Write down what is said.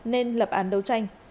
nên lập án đấu tranh